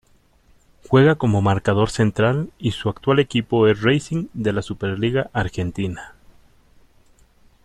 Juega como marcador central y su actual equipo es Racing de la Superliga Argentina.